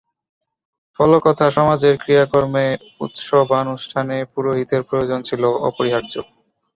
ফলকথা, সমাজের ক্রিয়াকর্মে, উৎসবানুষ্ঠানে পুরোহিতের প্রয়োজন ছিল অপরিহার্য।